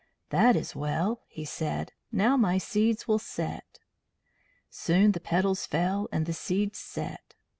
"That is well," he said. "Now my seeds will set." Soon the petals fell and the seeds set.